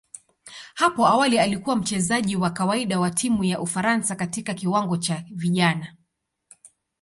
Hapo awali alikuwa mchezaji wa kawaida wa timu ya Ufaransa katika kiwango cha vijana.